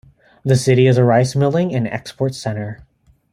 The city is a rice-milling and export centre.